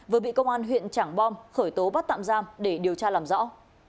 vừa bị công an huyện trảng bom khởi tố bắt tạm giam để điều tra làm rõ